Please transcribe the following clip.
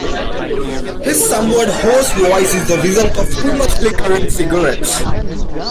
His somewhat hoarse voice is the result of too much liquor and cigarettes.